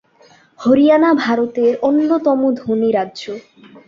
হরিয়ানা ভারতের অন্যতম ধনী রাজ্য।